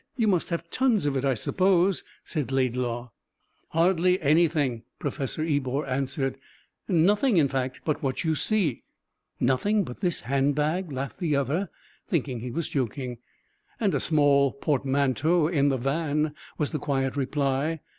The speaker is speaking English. You must have tons of it, I suppose?" said Laidlaw. "Hardly anything," Professor Ebor answered. "Nothing, in fact, but what you see." "Nothing but this hand bag?" laughed the other, thinking he was joking. "And a small portmanteau in the van," was the quiet reply.